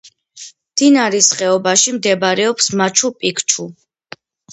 მდინარის ხეობაში მდებარეობს მაჩუ-პიქჩუ.